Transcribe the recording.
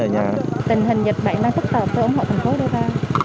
tình hình dịch bệnh đang tức tạp tôi ủng hộ thành phố đưa ra